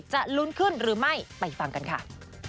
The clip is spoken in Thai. ลุ้นขึ้นหรือไม่ไปฟังกันค่ะ